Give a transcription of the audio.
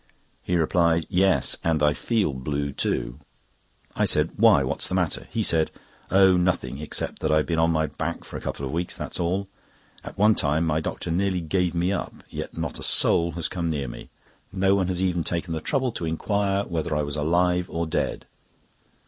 He replied: "Yes! and I feel blue too." I said: "Why, what's the matter?" He said: "Oh, nothing, except that I have been on my back for a couple of weeks, that's all. At one time my doctor nearly gave me up, yet not a soul has come near me. No one has even taken the trouble to inquire whether I was alive or dead."